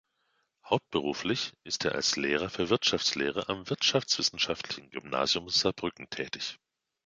Hauptberuflich ist er als Lehrer für Wirtschaftslehre am Wirtschaftswissenschaftlichen Gymnasium Saarbrücken tätig.